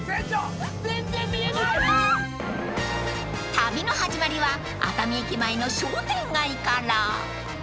［旅の始まりは熱海駅前の商店街から］